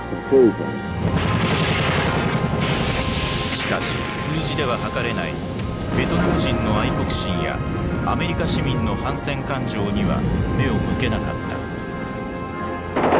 しかし数字では測れないベトナム人の愛国心やアメリカ市民の反戦感情には目を向けなかった。